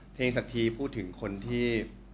สักทีพูดถึงคนที่